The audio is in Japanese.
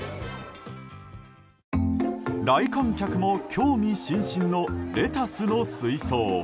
来館客も興味津々のレタスの水槽。